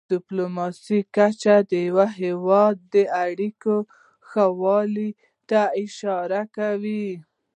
د ډيپلوماسی کچه د یو هېواد د اړیکو ښهوالي ته اشاره کوي.